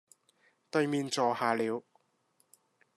對面坐下了，